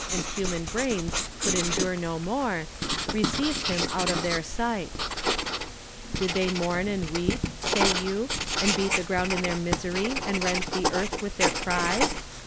l human brains could endure no more, received him out of their sight I Did they mo,,,.,, an,l weep, say yo„, and I,eat the g, „,,,„l ,„ thei, ,„isery, and rond the earth witi, the,r c„e»